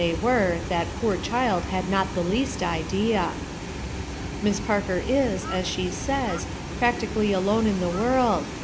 they were, that poor child had not the least idea !« Miss Parker is, as she says, practically alone in the world.